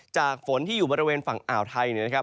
ฝนที่อยู่บริเวณฝั่งอ่าวไทยเนี่ยนะครับ